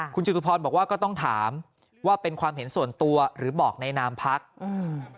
คุณจตุพรบอกว่าก็ต้องถามว่าเป็นความเห็นส่วนตัวหรือบอกในนามพักอืม